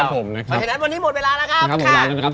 วันนี้หมดเวลาแล้วครับ